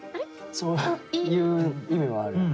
そういう意味もあるよね。